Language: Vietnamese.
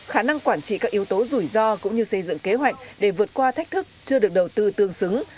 khả năng quản trị các yếu tố rủi ro cũng như xây dựng kế hoạch để vượt qua thách thức chưa được đầu tư tương xứng